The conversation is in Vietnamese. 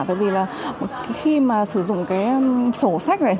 tại vì là khi mà sử dụng cái sổ sách này